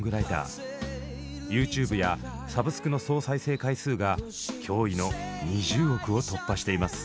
ＹｏｕＴｕｂｅやサブスクの総再生回数が驚異の２０億を突破しています。